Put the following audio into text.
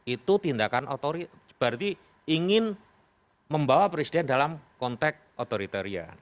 itu tindakan otori berarti ingin membawa presiden dalam konteks otoritarian